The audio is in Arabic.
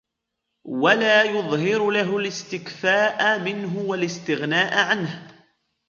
وَلَا يُظْهِرُ لَهُ الِاسْتِكْفَاءَ مِنْهُ وَالِاسْتِغْنَاءَ عَنْهُ